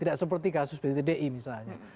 tidak seperti kasus btdi misalnya